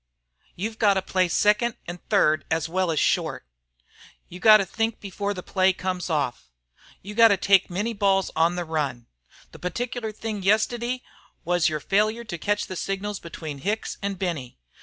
You've got to play second an' third as well as short. You've got to think before the play comes off. You've got to take many balls on the run. The particular thing yestiddy was your failure to catch the signals between Hicks an' Benny.